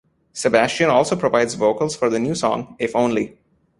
Sebastian also provides vocals for the new song "If Only".